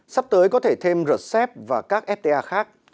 sắp tới có thể thêm rcep và các fta khác